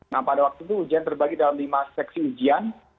nah pada waktu itu ujian terbagi dalam lima seksi ujian